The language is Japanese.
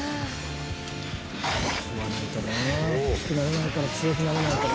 食わないとな大きくなれないから強くなれないから。